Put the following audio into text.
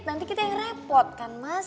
nanti kita yang repot kan mas